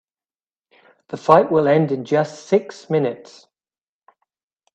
The fight will end in just six minutes.